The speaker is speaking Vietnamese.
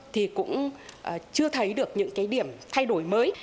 thì cũng chưa thấy được những cái điểm thay đổi mới